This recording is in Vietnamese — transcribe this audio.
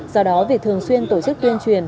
do đó việc thường xuyên tổ chức tuyên truyền